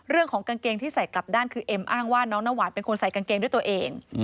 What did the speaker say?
กางเกงที่ใส่กลับด้านคือเอ็มอ้างว่าน้องน้ำหวานเป็นคนใส่กางเกงด้วยตัวเอง